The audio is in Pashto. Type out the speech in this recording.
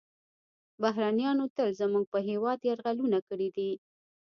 بهرنیانو تل زموږ په هیواد یرغلونه کړي دي